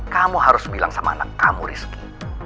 kamu harus bilang sama anak kamu rizky